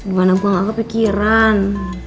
gimana gue gak kepikiran